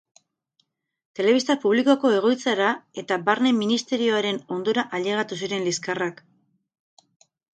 Telebista publikoko egoitzara eta Barne Ministerioaren ondora ailegatu ziren liskarrak.